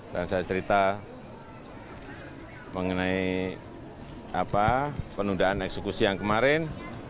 dan saya cerita mengenai penundaan eksekusi yang kemarin